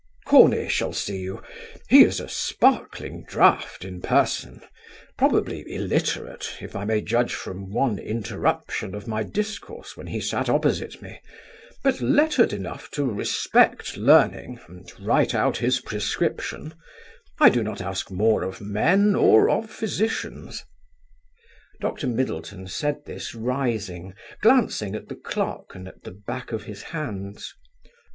"Corney shall see you: he is a sparkling draught in person; probably illiterate, if I may judge from one interruption of my discourse when he sat opposite me, but lettered enough to respect Learning and write out his prescription: I do not ask more of men or of physicians." Dr. Middleton said this rising, glancing at the clock and at the back of his hands.